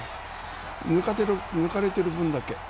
抜かれてる分だけ。